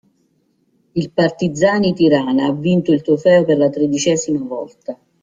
Il Partizani Tirana ha vinto il trofeo per la tredicesima volta.